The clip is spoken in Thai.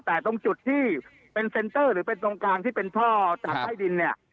แต่ตรงจุดที่เป็นเซ็นเตอร์หรือเป็นตรงกลางที่เป็นท่อจากใต้ดินเนี่ย